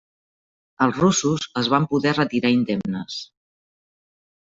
Els russos es van poder retirar indemnes.